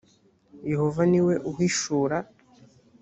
yehova ni we uhishura